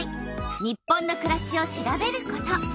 「日本のくらし」を調べること。